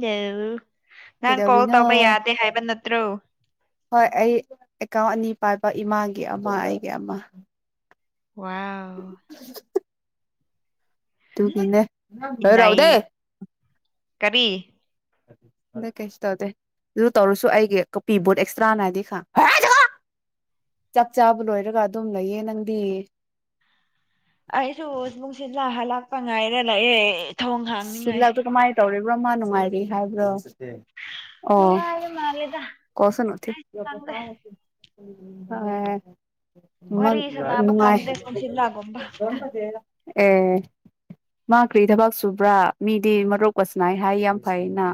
ꯗꯣ ꯅꯍꯥꯟ ꯀꯣꯜ ꯀꯩꯗꯧꯔꯤꯅꯣ ꯇꯧꯕ ꯌꯥꯗꯦ ꯍꯥꯏꯕ ꯅꯠl ꯇ꯭ꯔꯣ ꯍꯣꯏ ꯑꯩ ꯑꯦꯀꯥꯎꯟ ꯑꯅꯤ ꯄꯥꯏꯕ ꯏꯃꯥꯒꯤ ꯑꯃ ꯑꯩꯒꯤ ꯑꯃ ꯋꯥꯎ [unintelligible] ꯇꯨꯒꯤꯅꯦ ꯏ [unintelligible] ꯀꯔꯤ ꯑꯗꯨ ꯀꯩꯁꯨ ꯇꯧꯗꯦ ꯑꯗꯨ ꯇꯧꯔꯁꯨ ꯑꯩꯒꯤ ꯀꯣꯄꯤ ꯕꯨꯠ ꯑꯦꯛꯁꯇ꯭ꯔꯥꯅ ꯍꯥꯏꯗꯤ [unintelligible] ꯈ [unintelligible] ꯆꯥꯛ ꯆꯥꯕ ꯂꯣꯏꯔꯒ ꯑꯗꯨꯝ ꯂꯩꯌꯦ ꯅꯪꯗꯤ ꯑꯩꯁꯨ ꯅꯨꯡꯁꯤꯠꯂꯥꯛ ꯍꯜꯂꯛꯄ ꯉꯥꯏꯔ ꯂꯩꯌꯦ ꯁꯤꯜꯂꯥꯛꯇꯣ ꯀꯃꯥꯏ ꯇꯧꯔꯤꯕ꯭ꯔꯣ ꯃꯥ ꯅꯨꯡꯉꯥꯏꯔꯤ ꯍꯥꯏꯕ꯭ꯔꯣ ꯑꯣ ꯅꯨꯡꯉꯥꯏꯕ ꯃꯥꯜꯂꯦꯗ ꯀꯣꯁꯥ ꯅꯣꯊꯦ ꯑꯩ ꯈꯪꯗꯦ ꯎ [unintelligible] ꯃꯪ ꯋꯥꯔꯤ ꯁꯥꯟꯅꯕ ꯅꯨꯡꯉꯥꯏ ꯐꯪꯗꯦ ꯅꯨꯡꯁꯤꯠꯂꯒꯨꯝꯕ ꯑꯦ ꯃꯥ ꯀ꯭ꯔꯤ ꯊꯕꯥꯛꯁꯨ ꯕ꯭ꯔꯥ ꯃꯤꯗꯤ ꯃꯔꯨꯞꯀ ꯁꯅꯥꯏ ꯍꯥꯏ ꯌꯥꯝ ꯐꯩꯅ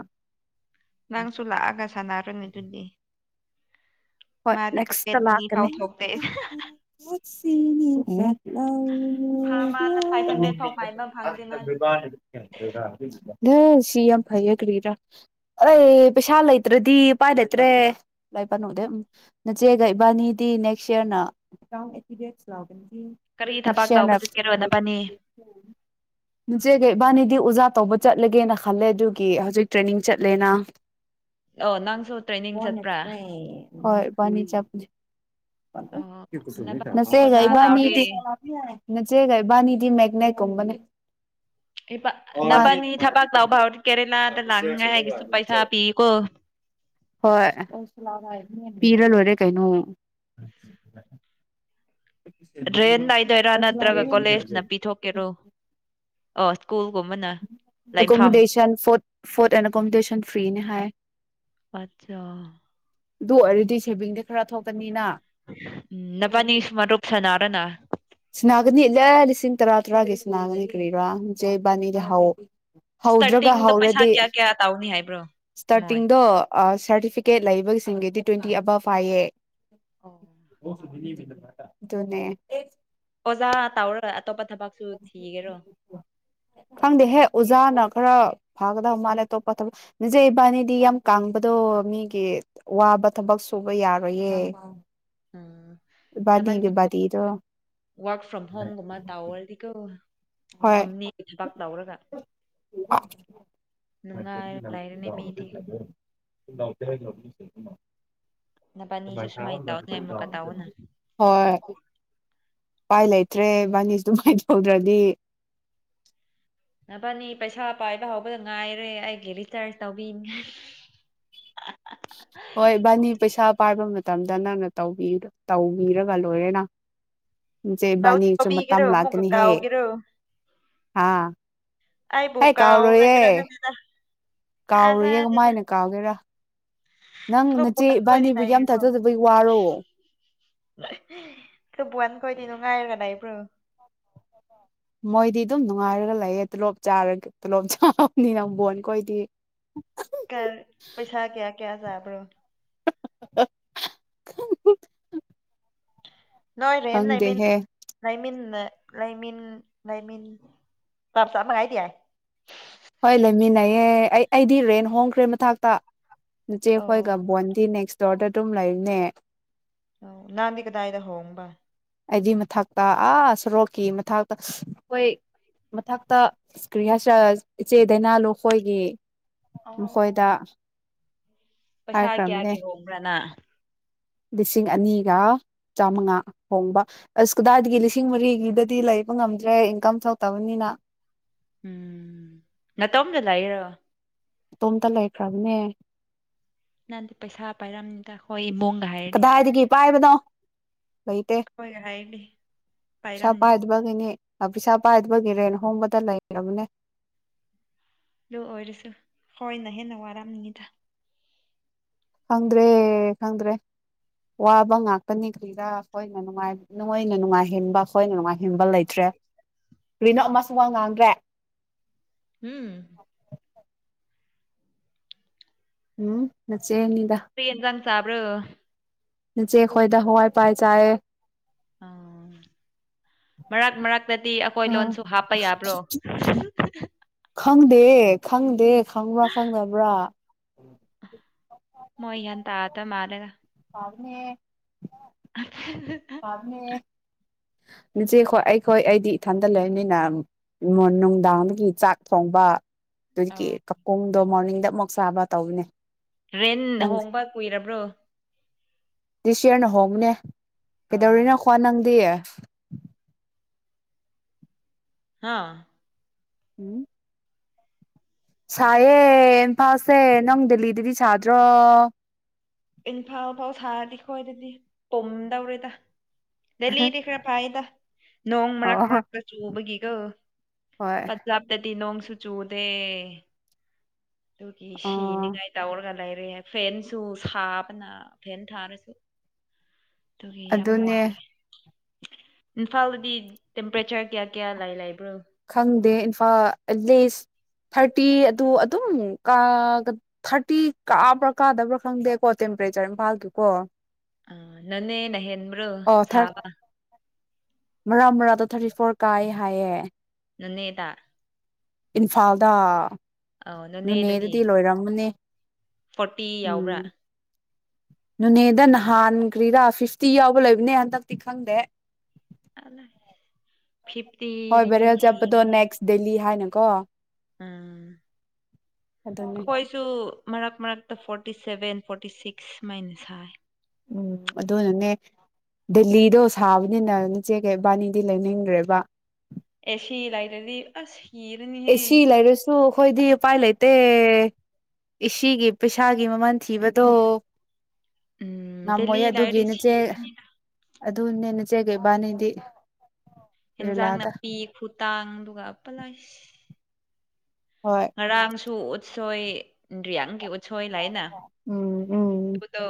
ꯅꯪꯁꯨ ꯂꯥꯛꯑꯒ ꯁꯥꯟꯅꯔꯅꯤ ꯗꯨꯗꯤ ꯍꯣꯏ ꯅꯦꯛꯁꯇ ꯑꯅꯤ ꯐꯥꯎ ꯂꯥꯛꯀꯅꯤ ꯊꯣꯛꯇꯦ ꯊꯥ ꯑꯃꯗ ꯐꯥꯏꯚ ꯍꯟꯗ꯭ꯔꯦꯠ ꯐꯥꯎ ꯄꯥꯏꯕ ꯐꯪꯗꯦ ꯃꯥꯗꯤ ꯕꯥꯅꯤ [unintelligible] ꯁꯤ ꯌꯥꯝ ꯐꯩꯌꯦ ꯀꯔꯤꯔꯥ ꯑꯩ ꯄꯩꯁꯥ ꯂꯩꯇ꯭ꯔꯗꯤ ꯄꯥꯏ ꯂꯩꯇ꯭ꯔꯦ ꯂꯥꯏ ꯄꯥꯅꯨꯗꯦ ꯅꯆꯦꯒ ꯏꯕꯥꯅꯤꯗꯤ ꯅꯦꯛꯁ ꯌ꯭ꯔꯅ ꯀꯔꯤ ꯊꯕꯛ ꯅꯦꯛꯁ ꯌ꯭ꯔꯅ ꯇꯧꯕ [inaudible] ꯆꯠꯀꯦꯔꯣ ꯅꯕꯥꯅꯤ ꯅꯆꯦꯒꯩ ꯏꯕꯥꯅꯤꯗꯤ ꯑꯣꯖꯥ ꯇꯧꯕ ꯆꯠꯂꯒꯦꯅ ꯈꯜꯂꯦ ꯑꯗꯨꯒꯤ ꯍꯧꯖꯤꯛ ꯇ꯭ꯔꯦꯅꯤꯡ ꯆꯠꯂꯦꯅ ꯑꯣ ꯅꯪꯁꯨ ꯇ꯭ꯔꯦꯅꯤꯡ ꯆꯠꯄ꯭ꯔꯥ꯫ ꯍꯣꯏ ꯏꯕꯥꯅꯤ ꯆꯠꯄꯅꯤ ꯑꯣ [inaudible] ꯅꯕꯥꯅꯤ ꯅꯆꯦꯒ ꯑꯣꯖꯥ ꯏꯕꯥꯅꯤꯗꯤ ꯇꯧꯔꯤ [inaudible] ꯅꯆꯦꯒ ꯏꯕꯅꯤꯗꯤ ꯃꯦꯛꯅꯦꯠ ꯀꯨꯝꯕꯅꯤ꯫ ꯏꯄꯥ ꯅꯕꯥꯅꯤ ꯊꯕꯛ ꯇꯧꯕ ꯍꯧꯔꯗꯤ ꯀꯦꯔꯦꯂꯥꯗ ꯂꯥꯛꯅꯤꯉꯥꯏꯒꯤꯁꯨ ꯄꯩꯁꯥ ꯄꯤꯀꯣ꯫ ꯍꯣꯏ ꯄꯤꯔ ꯂꯣꯏꯔꯦ ꯀꯩꯅꯣ꯫ ꯗ꯭ꯔꯦꯟ ꯅꯥꯏꯗꯣꯏꯔꯥ ꯅꯠꯇ꯭ꯔꯒ ꯀꯣꯂꯦꯖꯅ ꯄꯤꯊꯣꯛꯀꯦꯔꯣ ꯑꯣ ꯁ꯭ꯀꯨꯜꯒꯨꯝꯕꯅ꯫ ꯂꯩꯐꯝ ꯑꯦꯀꯣꯃꯣꯗꯦꯁꯟ ꯐꫭꯗ ꯐꫭꯗ ꯑꯦꯟ ꯑꯦꯀꯣꯃꯣꯗꯦꯁꯟ ꯐ꯭ꯔꯤꯅꯦ ꯍꯥꯏ꯫ ꯑꯠꯆꯥ꯫ ꯑꯗꯨ ꯑꯣꯏꯔꯗꯤ ꯁꯦꯚꯤꯡꯗꯤ ꯈꯔ ꯊꯣꯛꯀꯅꯤꯅ꯫ ꯎꯝ ꯅꯕꯥꯅꯤꯁꯨ ꯃꯔꯨꯞ ꯁꯥꯅꯔꫭꯅꯥ꯫ ꯁꯅꯥꯒꯅꯤ ꯂꯦ ꯂꯤꯁꯤꯡ ꯇꯔꯥ ꯇꯔꯥꯒꯤ ꯁꯅꯥꯒꯅꯤ ꯀꯔꯤꯔꯥ ꯖꯦꯕꯥꯅꯤꯗꯤ ꯍꯧ ꯍꯧꯗ꯭ꯔꯒ ꯁ꯭ꯇꯥꯔꯇꯤꯡꯗ ꯄꯩꯁꯥ ꯍꯧꯔꯗꯤ ꯀꯌꯥ ꯀꯌꯥ ꯇꯧꯅꯤ ꯍꯥꯏꯕ꯭ꯔꯣ꯫ ꯃꯣꯏ ꯁ꯭ꯇꯥꯔꯇꯤꯡꯗꯣ ꯁꯥꯔꯇꯤꯐꯤꯀꯦꯠ ꯂꯩꯕꯁꯤꯡꯒꯤꯗꯤ ꯇ꯭ꯋꯦꯟꯇꯤ ꯑꯚꯐ ꯍꯥꯏꯌꯦ꯫ ꯑꯣꯖꯥ [inaudible] ꯗꯨꯅꯦ꯫ ꯑꯣꯖꯥ ꯇꯥꯎꯔ ꯑꯇꯣꯞꯄ ꯊꯕꯛꯁꯨ ꯊꯤꯒꯦꯔꯣ꯫ ꯈꯪꯗꯦꯍꯦ ꯑꯣꯖꯥꯅ ꯈꯔ ꯐꯥꯒꯗꯕ ꯃꯥꯜꯂꯦ ꯑꯇꯣꯞꯄ ꯊꯕꯛ ꯅꯖꯦ ꯏꯕꯥꯅꯤꯗꯤ ꯌꯥꯝ ꯀꯥꯡꯕꯗꯣ ꯃꯤꯒꯤ ꯋꯥꯕ ꯊꯕꯛ ꯁꯨꯕ ꯌꯥꯔꯣꯏꯌꯦ꯫ ꯎꯝ ꯏꯕꯥꯅꯤꯒꯤ ꯅꯕꯥꯅꯤꯗꯨ ꯕꯥꯗꯤꯗꯣ ꯋꯥ꯭ꯔꯛ ꯐ꯭ꯔꯣꯝ ꯍꯣꯝꯒꯨꯝꯕ ꯇꯧꯔꯗꯤ ꯀꯣ ꯍꯣꯏ ꯀꯝꯅꯤ ꯊꯕꯛ ꯇꯧꯔꯒ ꯅꯨꯡꯉꯥꯏꯔ ꯂꯩꯔꯅꯤ ꯃꯤꯗꯤ [inaudible] ꯅꯕꯥꯅꯤꯁꯨ ꯁꯨꯃꯥꯏꯅ ꯇꯧꯅꯤ ꯑꯃꯨꯛꯀ ꯇꯧꯑꯣꯅ [inaudible] ꯍꯣꯏ ꯄꯥꯏ ꯂꯩꯇ꯭ꯔꯦ ꯏꯕꯥꯅꯤꯁꯨ ꯑꯗꯨꯃꯥꯏ ꯇꯧꯗ꯭ꯔꯗꯤ꯫ ꯅꯕꯥꯅꯤ ꯄꯩꯁꯥ ꯄꯥꯏꯕ ꯍꯧꯕꯗ ꯉꯥꯏꯔꯦ ꯑꯩꯒꯤ ꯔꯤꯆꯥꯔꯖ ꯇꯧꯕꯤꯅꯤꯉꯥꯏ꯫ [inaudible] ꯍꯣꯏ ꯏꯕꯥꯅꯤ ꯄꯩꯁꯥ ꯄꯥꯏꯕ ꯃꯇꯝꯗ ꯅꯪꯅ ꯇꯧꯕꯤ ꯇꯧꯕꯤꯔꯒ ꯂꯣꯏꯔꯦꯅ꯫ ꯅꯆꯦ ꯇꯧ ꯏꯕꯥꯅꯤꯁꯨ ꯃꯇꯝ ꯇꯧꯕꯤꯒꯦꯔꯣ ꯑꯃꯨꯛꯀ ꯂꯥꯛꯀꯅꯤꯍꯦ ꯀꯥꯎꯒꯦꯔꯣ ꯍꯥ꯫ ꯑꯩꯕꯨ ꯀꯥꯎꯔꯒꯦꯔꯥ ꯈꯪꯗꯦꯗꯥ꯫ ꯀꯥꯎꯔꯣꯏꯌꯦ ꯀꯃꯥꯏꯅ ꯀꯥꯎꯒꯦꯔꯥ꯫ ꯅꯪ ꯅꯆꯦ ꯈꯣꯏꯕꯨꯋꯥꯟ ꯈꯣꯏꯗꯤ ꯏꯕꯥꯅꯤꯕꯨ ꯌꯥꯝ ꯂꯩꯔꯤꯕ꯭ꯔꯣ ꯊꯥꯖꯗꯕꯩ ꯋꯥꯔꯣ꯫ [unintelligible] ꯈꯣꯏꯗꯤ ꯅꯨꯡꯉꯥꯏꯔꯒ ꯂꯩꯕ꯭ꯔꯣ꯫ ꯃꯣꯏꯗꯤ ꯑꯗꯨꯝ ꯅꯨꯡꯉꯥꯏꯔꯒ ꯂꯩꯌꯦ ꯇꯣꯂꯣꯞ ꯆꯥꯔꯒ ꯇꯣꯂꯣꯞ ꯆꯥꯕꯅꯤꯅ ꯕꯣꯟꯈꯣꯏꯗꯤ꯫ ꯀꯔ ꯄꯩꯁꯥ ꯀ꯭ꯌꯥ-ꯀ꯭ꯌꯥ ꯆꯥꯕ꯭ꯔꯣ꯫ [unintelligible] ꯅꯣꯏ ꯔꯦꯟ ꯂꯩꯃꯤꯟ ꯈꯪꯗꯦꯍꯦ ꯂꯩꯃꯤꯟꯅ ꯂꯩꯃꯤꯟ ꯂꯩꯃꯤꯟ [unintelligible] ꯍꯣꯏ ꯂꯩꯃꯤꯟꯅꯩꯌꯦ ꯑꯩ ꯑꯩꯗꯤ ꯔꯦꯟ ꯍꯣꯡꯈ꯭ꯔꯦ ꯃꯊꯥꯛꯇ꯫ ꯑꯣ ꯅꯆꯦꯈꯣꯏꯒ ꯕꯣꯟꯗꯤ ꯅꯦꯛꯁ ꯗꯣꯔꯗ ꯑꯗꯨꯝ ꯂꯩꯕꯅꯦ꯫ ꯑꯣ ꯅꯪꯗꯤ ꯀꯗꯥꯏꯗ ꯍꯣꯡꯕ꯫ ꯑꯩꯗꯤ ꯃꯊꯛꯇ ꯑꯥ ꯁꯣꯔꯣꯛꯀꯤ ꯃꯊꯛꯇ ꯈꯣꯏ ꯃꯊꯛꯇ ꯑꯁ ꯀ꯭ꯔꯤ ꯍꯥꯏꯁꯤꯔꯥ ꯏꯆꯦ ꯗꯥꯏꯅꯥ ꯂꯨꯈꯣꯏꯒꯤ ꯑꯧ ꯃꯈꯣꯏꯗ꯫ ꯄꯩꯁꯥ ꯍꯥꯏꯈ꯭ꯔꯝꯅꯦ ꯀꯌꯥꯒꯤ ꯍꯣꯡꯕ꯭ꯔꯥ ꯅꯪ ꯂꯤꯁꯤꯡ ꯑꯅꯤꯒꯥ ꯆꯥꯃꯉꯥ ꯍꯣꯡꯕ꯫ ꯑꯁ ꯀꯗꯥꯏꯗꯒꯤ ꯂꯤꯁꯤꯡ ꯃꯔꯤꯒꯤꯗꯗꯤ ꯂꯩꯕ ꯉꯝꯗ꯭ꯔꯦ ꯏꯟꯀꯝ ꯊꯣꯛꯇꯕꯅꯤꯅ꯫ ꯎꯝ ꯅꯇꯣꯝꯗ ꯂꯩꯏꯔꯣ꯫ ꯏꯇꯣꯝꯇ ꯂꯩꯈ꯭ꯔꯕꯅꯦ꯫ ꯅꯪꯗꯤ ꯄꯩꯁꯥ ꯄꯥꯏꯔꯝꯅꯤꯗ ꯈꯣꯏ ꯏꯕꯨꯡ ꯀꯗꯥꯏꯗꯒꯤ ꯄꯥꯏꯕꯅꯣ ꯂꯩꯇꯦ꯫ ꯍꯣꯏ ꯍꯥꯏꯗꯤ ꯄꯥꯏꯔꯝꯅꯤ ꯕꯒꯤꯅꯤ ꯄꯩꯁꯥ ꯄꯥꯏꯗꯕꯒꯤ ꯔꯦꯟ ꯍꯣꯡꯕꯗ ꯂꯩꯔꯕꯅꯦ ꯑꯗꯨ ꯑꯣꯏꯔꯁꯨ ꯈꯣꯏꯅ ꯍꯦꯟꯅ ꯋꯥꯔꯝꯅꯤꯗ ꯈꯪꯗ꯭ꯔꯦ ꯈꯪꯗ꯭ꯔꯦ ꯋꯥꯕ ꯉꯥꯛꯇꯅꯤ ꯁꯤꯗ ꯑꯩꯈꯣꯏꯅ ꯅꯨꯡꯉꯥꯏ ꯅꯣꯏꯅ ꯅꯨꯡꯉꯥꯏꯍꯦꯟꯕ ꯑꯈꯣꯏꯅ ꯅꯨꯡꯉꯥꯏꯍꯦꯟꯕ ꯂꯩꯇ꯭ꯔꯦ ꯀ꯭ꯔꯤꯅꯣ ꯑꯃꯁꯨ ꯋꯥ ꯉꯥꯡꯗ꯭ꯔꯦ ꯎꯝ ꯎꯝ ꯅꯆꯦꯅꯤꯗ ꯀ꯭ꯔꯤ ꯌꯦꯟꯁꯥꯡ ꯆꯥꯕ꯭ꯔꯣ ꯅꯆꯦꯈꯣꯏꯗ ꯍꯋꯥꯏ ꯄꯥꯜ ꯆꯥꯏꯌꯦ ꯑꯥ ꯃꯔꯛ ꯃꯔꯛꯇꯗꯤ ꯑꯈꯣꯏ ꯎꯝ ꯂꯣꯟꯁꯨ ꯍꯥꯞꯄ ꯌꯥꯕ꯭ꯔꯣ ꯈꯪꯗꯦ ꯈꯪꯗꯦ ꯈꯪꯕ꯭ꯔꯥ ꯈꯪꯗꯕ꯭ꯔꯥ ꯃꯣꯏ ꯒ꯭ꯌꯥꯟ ꯇꯥꯗ ꯃꯥꯜꯂꯦꯗ ꯇꯥꯕꯅꯦ [unintelligible] [unintelligible] ꯅꯆꯦꯈꯣꯏ ꯑꯩꯈꯣꯏ ꯑꯩꯗꯤ ꯏꯊꯟꯗ ꯂꯩꯝꯅꯤꯅ ꯃꯣ ꯅꯨꯡꯗꯥꯡꯗꯒꯤ ꯆꯥꯛ ꯊꯣꯡꯕ ꯑꯗꯨꯒꯤ ꯑꯧ ꯀꯀꯣꯡꯗꯣ ꯃꯣꯔꯅꯤꯡꯗ ꯑꯃꯨꯛ ꯆꯥꯕ ꯇꯧꯕꯅꯦ ꯔꯦꯟ ꯅꯪ ꯍꯣꯡꯕ ꯀꯨꯏꯔꯕ꯭ꯔꯣ ꯗꯤꯁ ꯌ꯭ꯔꯅ ꯍꯣꯡꯕꯅꯦ ꯑꯥ ꯀꯩꯗꯧꯔꯤꯅꯣ ꯈ꯭ꯋꯥ ꯅꯪꯗꯤ ꯍꯥꯥ ꯍꯨꯝ ꯁꯥꯏꯌꯦ ꯏꯝꯐꯥꯜꯁꯦ ꯅꯪ ꯗꯦꯜꯂꯤꯗꯗꯤ ꯁꯥꯗ꯭ꯔꯣ ꯏꯝꯐꯥꯜ ꯐꯥꯎ ꯁꯥꯔꯗꯤ ꯈꯣꯏꯗꯗꯤ ꯄꯨꯝꯗꯧꯔꯦꯗ ꯗꯦꯂꯤꯗꯤ ꯈꯔ ꯐꯩꯗ ꯅꯣꯡ ꯃꯔꯛ ꯑꯣ ꯃꯔꯛꯇ ꯈꯔ ꯆꯨꯕꯒꯤꯀꯣ ꯍꯣꯏ ꯗꯗꯤ ꯅꯣꯡꯁꯨ ꯆꯨꯗꯦ ꯑꯗꯨꯒꯤ ꯑꯣ ꯁꯤꯅꯤꯉꯥꯏ ꯇꯧꯔꯒ ꯂꯩꯔꯦ ꯐꯦꯟꯁꯨ ꯁꯥꯕꯅ ꯐꯦꯟ ꯊꯥꯔꯁꯨ ꯑꯗꯨꯒꯤ ꯌꯥꯝ ꯑꯗꯨꯅꯦ ꯋꯥꯔꯦ ꯏꯝꯐꯥꯜꯗꯗꯤ ꯇꯦꯝꯄꯔꯦꯆꯔ ꯀꯌꯥ ꯀꯌꯥ ꯂꯥꯏ ꯂꯥꯏꯕ꯭ꯔꯣ ꯈꯪꯗꯦ ꯏꯝꯐꯥꯜ ꯑꯦꯠꯂꯤꯁ ꯊꯥꯔꯇꯤ ꯑꯗꯨ ꯑꯗꯨꯝ ꯀ ꯊꯥꯔꯇꯤ ꯀꯥꯕ꯭ꯔꯥ ꯀꯥꯗꯕ꯭ꯔꯥ ꯈꯪꯗꯦꯀꯣ ꯇꯦꯝꯄꯔꯦꯆꯔ ꯏꯝꯐꯥꯜꯒꯤꯀꯣ ꯑ ꯅꯣꯅꯦꯅ ꯍꯦꯟꯕ꯭ꯔꯣ ꯁꯥꯕ ꯃꯔꯥ ꯃꯔꯥꯗꯣ ꯊꯥꯔꯇꯤ ꯐꯣꯔ ꯀꯥꯏ ꯍꯥꯏꯌꯦ ꯅꯣꯅꯦꯗ ꯏꯝꯐꯥꯜꯗ ꯑꯧ ꯅꯣꯅꯦꯗꯗꯤ ꯅꯨꯅꯦꯗꯗꯤ ꯂꯣꯏꯔꯝꯃꯅꯦ ꯐꯣꯔꯇꯤ ꯌꯥꯎꯕ꯭ꯔꯥ ꯅꯨꯅꯦꯗ ꯅꯍꯥꯟꯈ꯭ꯔꯤꯔꯥ ꯐꯤꯐꯇꯤ ꯌꯥꯎꯕ ꯂꯩꯕꯅꯦ ꯍꯟꯗꯛꯇꯤ ꯈꯪꯗꯦ ꯍꯣꯏ ꯐꯤꯞꯇꯤꯗꯤ ꯃꯤ ꯕꯦꯔꯦꯜ ꯆꯠꯄꯗꯣ ꯁꯤꯅꯤ꯫ ꯅꯦꯛꯁ ꯗꯦꯜꯂꯤ ꯍꯥꯏꯅꯀꯣ ꯎꯝ ꯑꯗꯨꯅꯦ ꯑꯈꯣꯏ ꯁꯨ ꯃꯔꯛ ꯃꯔꯛꯇ ꯐꯣꯔꯇꯤ ꯁꯦꯚꯦꯟ ꯐꯣꯔꯇꯤ ꯁꯤꯛꯁ ꯁꯨꯃꯥꯏꯅ ꯁꯥꯏ ꯎꯝ ꯑꯗꯨꯅꯅꯦ ꯗꯦꯜꯂꯤꯗꯣ ꯁꯥꯕꯅꯤꯅ ꯏꯆꯦꯒ ꯏꯕꯥꯅꯤꯗꯤ ꯂꯩꯅꯤꯡꯗ꯭ꯔꯦꯕ ꯑꯦꯁꯤ ꯂꯥꯏꯇꯔꯗꯤ ꯑꯁ ꯑꯦ ꯁꯤꯔꯅꯤꯍꯦ ꯁꯤ ꯂꯩꯔꯁꯨ ꯑꯩꯈꯣꯏꯗꯤ ꯎꯄꯥꯏ ꯂꯩꯇꯦ ꯏ ꯁꯤ ꯒꯤ ꯄꯩꯁꯥꯒꯤ ꯃꯃꯜ ꯊꯤꯕꯗꯣ ꯎꯝ ꯗꯦꯜꯂꯤ ꯉꯝꯃꯣꯏꯌꯦ ꯑꯗꯨꯒꯤ ꯂꯩꯔꯗꯤ ꯅꯆꯦ ꯁꯤꯔꯅꯤꯗ ꯑꯗꯨꯅꯦ ꯅꯆꯦꯒ ꯏꯕꯥꯅꯤꯗꯤ ꯍꯟꯖꯥꯡ ꯔꯤꯂꯥꯗ ꯅꯥꯄꯤ ꯈꯨꯇꯥꯡ ꯑꯗꯨꯒ ꯑꯄ ꯂꯥꯏ ꯍꯣꯏ ꯉꯔꯥꯡꯁꯨ ꯎꯠꯁꯣꯏ ꯏꯟꯗ꯭ꯔꯤꯌꯥꯡꯒꯤ ꯁꯣꯏ ꯂꯩꯌꯦꯅ ꯎꯝ ꯎꯝ ꯑꯗꯨꯗꯣ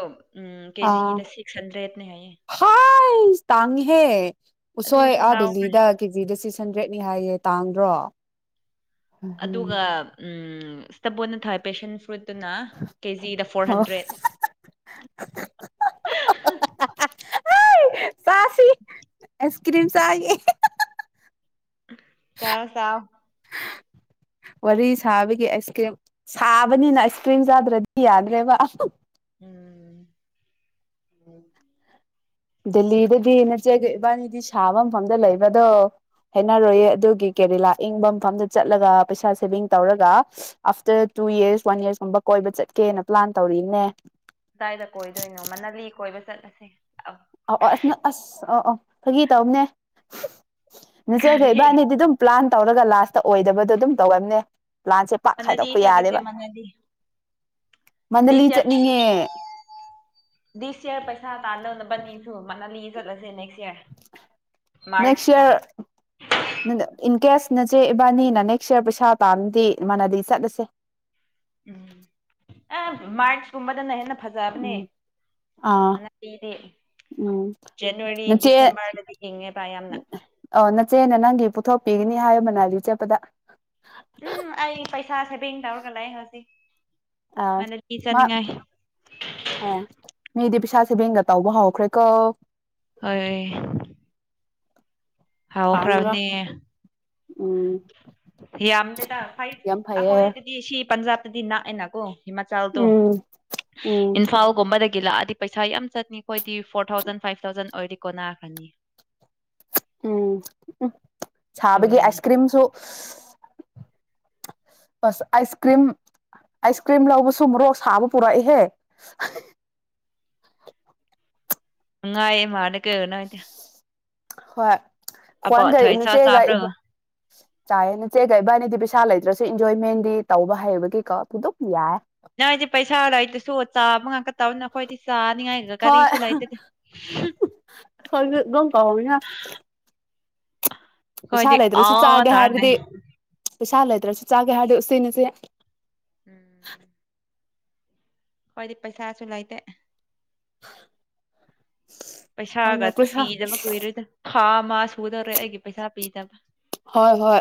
ꯎꯝ ꯑꯥ ꯀꯦꯖꯤꯗ ꯁꯤꯛꯁ ꯍꯟꯗ꯭ꯔꯦꯠꯅꯦ ꯍꯥꯏꯌꯦ ꯍꯥꯏꯁ ꯇꯥꯡꯉꯦꯍꯦ ꯎꯁꯣꯏ ꯑꯗꯨꯁꯨ ꯑꯥ ꯂꯥꯎꯈ꯭ꯔꯦ ꯗꯦꯜꯂꯤꯗ ꯀꯦꯖꯤꯗ ꯁꯤꯛꯁ ꯍꯟꯗ꯭ꯔꯦꯠꯅꯤ ꯍꯥꯏꯌꯦ ꯇꯥꯡꯗ꯭ꯔꯣ ꯎꯝ ꯑꯗꯨꯒ ꯁ꯭ꯇꯕꯣꯅ ꯊꯥꯏ ꯄꯦꯁꯟ ꯐ꯭ꯔꯨꯠ ꯑꯗꯨꯅ ꯀꯦꯖꯤꯗ ꯐꯣꯔ ꯍꯟꯗ꯭ꯔꯦꯠ ꯆꯥꯁꯤ [unintelligible] ꯑꯥꯏꯁ ꯀ꯭ꯔꯤꯝ ꯆꯥꯏꯌꯦ ꯆꯥꯎ ꯆꯥꯎ ꯋꯥꯔꯤ ꯁꯥꯕꯒꯤ ꯑꯥꯏꯁ ꯀ꯭ꯔꯤꯝ ꯁꯥꯕꯅꯤꯅ ꯑꯥꯏꯁ ꯀ꯭ꯔꯤꯝ ꯆꯥꯗ꯭ꯔꯗꯤ ꯌꯥꯗ꯭ꯔꯦꯕ ꯎꯝ꯫ ꯗꯦꯜꯂꯤꯗꯗꯤ ꯅꯆꯦꯒ ꯏꯕꯥꯅꯤꯗꯤ ꯁꯥꯕ ꯃꯐꯝꯗ ꯂꯩꯕꯗꯣ ꯍꯥꯏꯅꯔꯣꯏꯌꯦ ꯑꯗꯨꯒꯤ ꯀꯦꯔꯂꯥ ꯏꯪꯕ ꯃꯐꯝꯗ ꯆꯠꯂꯒ ꯄꯩꯁꯥ ꯁꯦꯚꯤꯡ ꯇꯧꯔꯒ ꯑꯥꯐꯇꯔ ꯇꯨ ꯌꯔꯁ ꯋꯥꯟ ꯌꯔꯁꯀꯨꯝꯕ ꯀꯣꯏꯕ ꯆꯠꯀꯦꯅ ꯄ꯭ꯂꯥꯟ ꯇꯧꯔꯤꯅꯦ ꯀꯗꯥꯏꯗ ꯀꯣꯏꯗꯣꯏꯅꯣ ꯃꯅꯂꯤ ꯀꯣꯏꯕ ꯆꯠꯂꯁꯦ꯫ ꯑ, ꯑꯧ ꯑꯣ ꯑꯁ ꯑꯁ ꯑꫭ ꯑꯣ ꯐꯥꯒꯤ ꯇꯧꯅꯦ ꯅꯆꯦꯒ ꯀꯔꯤ ꯏꯕꯥꯅꯤꯗꯤ ꯑꯗꯨꯝ ꯄ꯭ꯂꯥꯟ ꯇꯧꯔꯒ ꯂꯥꯁꯇ ꯑꯣꯏꯗꯕꯗꯣ ꯑꯗꯨꯝ ꯇꯧꯔꯝꯅꯦ ꯄ꯭ꯂꯥꯟꯁꯦ ꯄꯥꯛ ꯃꯅꯥꯂꯤ ꯍꯥꯏꯗꯣꯛꯄ ꯆꯠꯂꯁꯦ ꯌꯥꯗꯦꯕ ꯃꯅꯥꯂꯤ ꯃꯅꯥꯂꯤ ꯗꯤꯁ ꯆꯠꯅꯤꯡꯉꯦ [unintelligible] ꯗꯤꯁ ꯏꯌꯔ ꯄꯩꯁꯥ ꯇꯥꯟꯂꯥ ꯅꯕꯅꯤꯁꯨ ꯃꯅꯂꯤ ꯆꯠꯂꯁꯦ ꯅꯦꯛꯁ ꯌꯔ ꯅꯦꯛꯁ ꯃꯥꯔꯆꯇ ꯏꯌꯔ ꯏꯟ ꯀꯦꯁ ꯅꯆꯦ ꯏꯕꯥꯅꯤꯅ ꯅꯦꯛꯁ ꯏꯔ ꯄꯩꯁꯥ ꯇꯥꯅꯗꯤ ꯃꯅꯗꯤ ꯆꯠꯂꯁꯦ ꯎꯝ ꯑꯦ ꯃꯔꯆ ꯀꯨꯝꯕꯗꯅ ꯍꯦꯟꯅꯥ ꯐꯖꯥꯕꯅꯦ ꯎꯝ ꯑꯥ ꯃꯅꯂꯤꯗꯤ ꯎꯝ ꯖꯦꯅꯋꯥꯔꯤ ꯗꯤꯁꯦꯝꯕꯔꯗꯗꯤ ꯏꯪꯑꯦꯕ ꯌꯥꯝꯅ ꯑ ꯅꯆꯦꯅ ꯅꯪꯒꯤ ꯄꯨꯊꯣꯛꯄꯤꯒꯅꯤ ꯍꯥꯏꯌꯦ ꯃꯅꯂꯤ ꯆꯦꯠꯄꯗ ꯎꯝ ꯑꯩ ꯄꯩꯁꯥ ꯁꯦꯕꯤꯡ ꯇꯧꯔꯒ ꯂꯩ ꯍꯧꯖꯤꯛ ꯑꯥ ꯍꯟꯗꯛꯀꯤ ꯃꯥ ꯆꯠꯅꯤꯡꯉꯥꯏ ꯑꯦ ꯃꯤꯗꯤ ꯄꯩꯁꯥ ꯁꯦꯕꯤꯡꯒ ꯇꯧꯕ ꯍꯧꯈ꯭ꯔꯦ ꯀꯣ ꯍꫭꯏ ꯍꯥꯎꯈ꯭ꯔꯕꯅꯦ ꯎꯝ ꯌꯥꯝꯗꯦꯗ ꯐꯥꯏꯚ ꯌꯥꯝ ꯐꯩꯌꯦ ꯑꯩꯍꯣꯏꯗꯤ ꯁꯤ ꯄꯟꯖꯥꯕꯇꯗꯤ ꯅꯛꯑꯦꯅꯀꯣ ꯍꯤꯃꯥꯆꯥꯜꯗꯣ ꯎꯝ ꯎꯝ ꯏꯝꯐꯥꯜ ꯒꯨꯝꯕꯗꯒꯤ ꯂꯥꯛꯑꯗꯤ ꯄꯩꯁꯥ ꯌꯥꯝ ꯆꯠꯅꯤ ꯑꯩꯈꯣꯏꯗꯤ ꯐꯣꯔ ꯊꯥꯎꯖꯟ ꯐꯥꯏꯚ ꯊꯥꯎꯖꯟ ꯑꯣꯏꯔꯤꯗꯤ ꯀꯣꯟꯅꯥꯈ꯭ꯔꯅꯤ꯫ ꯎꯝ ꯎꯝ ꯁꯥꯕꯒꯤ ꯑꯗꯨꯅꯤꯅꯦ ꯑꯥꯏꯁ ꯀ꯭ꯔꯤꯝ ꯁꯨ ꯑꯁ ꯑꯥꯏꯁ ꯀ꯭ꯔꯤꯝ ꯑꯥꯏꯁ ꯀ꯭ꯔꯤꯝ ꯂꯧꯕꯁꯨ ꯃꯣꯔꯣꯛ ꯁꯥꯕ ꯄꯨꯔꯛꯏꯍꯦ ꯅꯨꯡꯉꯥꯏ ꯃꯥꯜꯂꯦ ꯀꫭ ꯅꫭꯏꯗꯤ ꯍꯣꯏ ꯍꯣꯟ ꯑꯕꯣꯠ ꯀꯩ ꯍꯩꯁꯥ ꯅꯆꯦꯒ ꯆꯥꯕ꯭ꯔꯣ ꯏꯕ ꯆꯥꯏꯌꯦ ꯅꯆꯦꯒ ꯏꯕꯅꯤꯗꯤ ꯄꯩꯁꯥ ꯂꯩꯇ꯭ꯔꯁꯨ ꯏꯟꯖꯣꯏꯃꯦꯟꯗꯤ ꯇꯧꯕ ꯍꯩꯕꯒꯤꯀꯣ ꯑꯗꯨ ꯑꯗꯨꯝ ꯌꯥꯏꯌꯦ ꯅꯪꯏꯗꯤ ꯄꯩꯁꯥ ꯂꯩꯇꯔꯁꯨ ꯆꯥꯕꯉꯥꯡꯇ ꯇꯧꯅ ꯑꯩꯈꯣꯏꯗꯤ ꯆꯥꯅꯤꯡꯉꯥꯏꯒ ꯍꯣꯏ ꯀꯔꯤꯁꯨ ꯂꯩꯇꯗꯦ ꯁꯣꯏꯗꯝ [unintelligible] ꯀꯥꯎꯏꯅ ꯄꯩꯁꯥ ꯑꯩꯈꯣꯏꯗꯤ ꯂꯩꯇ꯭ꯔꯁꯨ ꯑꯥ ꯆꯥꯒꯦ ꯇꯧꯔꯅꯩ ꯍꯥꯏꯔꯗꯤ ꯄꯩꯁꯥ ꯂꯩꯇ꯭ꯔꯁꯨ ꯆꯥꯒꯦ ꯍꯥꯏꯔꯗꯤ ꯎꯁꯤꯟꯅꯁꯦ ꯎꯝ꯫ ꯑꯩꯈꫭꯏꯗꯤ ꯄꯩꯁꯥꯁꯨ ꯂꯩꯇꯦ [inaudible] ꯄꯩꯁꯥꯒ ꯄꯩꯁꯥ ꯄꯤꯗꯕ ꯀꯨꯏꯔꯣꯏꯗ ꯊꯥ ꯃꯥ ꯁꯨꯗꯧꯔꯦ ꯑꯩꯒꯤ ꯄꯩꯁꯥ ꯄꯤꯗꯕ ꯍꯣꯏ ꯍꯣꯏ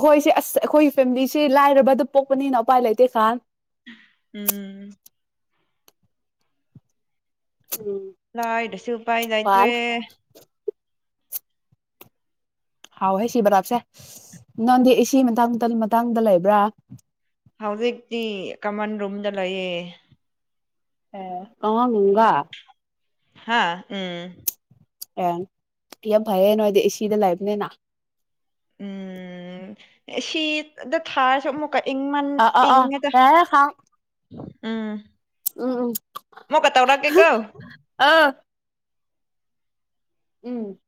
ꯍꯣꯏ ꯁꯦ ꯑꯁ ꯑꯩꯈꯣꯏꯒꯤ ꯐꯦꯃꯤꯂꯤꯁꯦ ꯂꯥꯏꯔꯕꯗ ꯄꯣꯛꯄꯅꯤꯅ ꯎꯄꯥꯏ ꯂꯩꯇꯦ ꯈꯥꯟ ꯎꯝ꯫ ꯎꯝ ꯂꯥꯏꯗ ꯁꯨ ꯎꯄꯥꯏ ꯈ꯭ꯋꯥꯟ ꯂꯩꯇ꯭ꯔꯦ ꯍꯥꯎꯍꯦ ꯁꯤ ꯕꯂꯥꯞꯁꯦ ꯅꯪꯗꯤ [unintelligible] ꯃꯇꯥꯡ ꯃꯇꯥꯡꯗ ꯂꯩꯕ꯭ꯔꯥ ꯍꯧꯖꯤꯛꯇꯤ ꯀꯃꯟ ꯔꯨꯝꯗ ꯂꯩꯌꯦ ꯑꯦ ꯀꯉꯥ ꯂꯨꯡꯒꯥ ꯍꯥ ꯎꯝ ꯑꯦ ꯌꯥꯝ ꯐꯩꯌꯦ ꯅꯣꯏꯗꯤ ꯑꯦꯁꯤꯗ ꯂꯩꯕꯅꯤꯅ ꯎꯝ ꯑꯦꯁꯤꯗ ꯊꯥꯔꯁꯨ ꯑꯃꯨꯛ ꯏꯪꯃꯟ ꯑꯥ ꯑꯥ ꯑꯥ ꯏꯉꯤꯗ ꯌꯥꯔꯦ ꯈꯥꯡ ꯎꯝ ꯎꯝ ꯎꯝ ꯃꯨꯀ ꯇꯧꯔꯛꯀꯦꯀꯣ ꯑꯥ ꯎꯝ